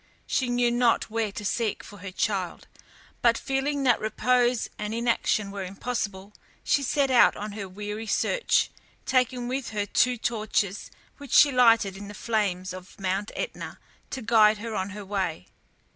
She knew not where to seek for her child, but feeling that repose and inaction were impossible, she set out on her weary search, taking with her two torches which she lighted in the flames of Mount Etna to guide her on her way.